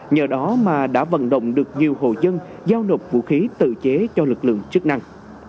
nhờ đó mà đã vận động được nhiều hồ dân giao nộp vũ khí tự chế cho lực lượng chức năng